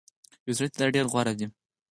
يو سړي ته دا ډير غوره ده